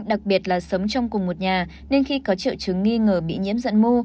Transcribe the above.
đặc biệt là sống trong cùng một nhà nên khi có triệu chứng nghi ngờ bị nhiễm giận mô